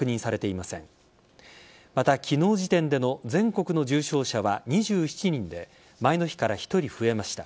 また、昨日時点での全国の重症者は２７人で前の日から１人増えました。